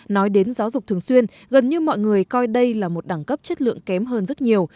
nói đến giáo dục thường xuyên gần như mọi người coi đây là một đẳng cấp chất lượng kém hơn rất nhiều